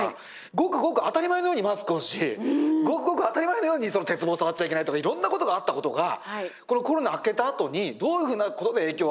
ごくごく当たり前のようにマスクをしごくごく当たり前のように鉄棒を触っちゃいけないとかいろんなことがあったことがこのコロナ明けたあとにどういうふうなことで影響があるのか。